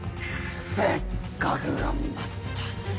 せっかく頑張ったのに。